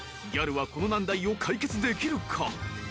［ギャルはこの難題を解決できるか？］